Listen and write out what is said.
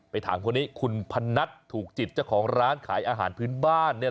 ถามคนนี้คุณพนัทถูกจิตเจ้าของร้านขายอาหารพื้นบ้านเนี่ย